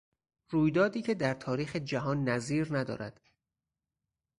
رویدادی که در تاریخ جهان نظیر ندارد